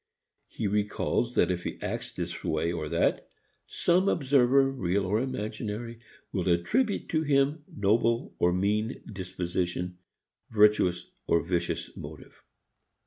He recalls that if he acts this way or that some observer, real or imaginary, will attribute to him noble or mean disposition, virtuous or vicious motive.